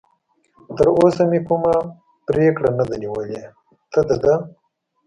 تراوسه مې کوم پرېکړه نه ده نیولې، ته د ده.